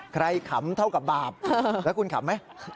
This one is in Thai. ขำเท่ากับบาปแล้วคุณขำไหม